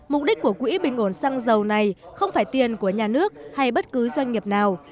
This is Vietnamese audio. mục đích của quỹ bình ổn xăng dầu này không phải tiền của nhà nước hay bất cứ doanh nghiệp nào